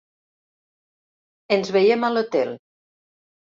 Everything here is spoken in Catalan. Ens veiem a l'hotel!